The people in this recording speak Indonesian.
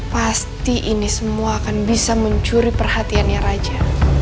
pasti ini semua akan bisa mencuri perhatiannya raja